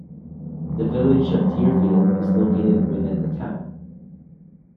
The Village of Deerfield is located within the town.